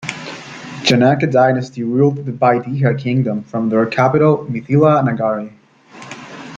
Janaka Dynasty ruled the Videha kingdom from their capital, Mithila Nagari.